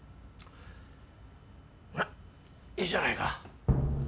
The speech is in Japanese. まあいいじゃないか。